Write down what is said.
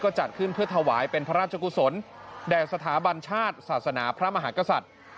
จัดขึ้นเพื่อถวายเป็นพระราชกุศลแด่สถาบันชาติศาสนาพระมหากษัตริย์